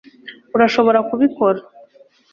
urashobora kubikora